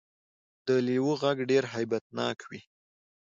د لیوه غږ ډیر هیبت ناک وي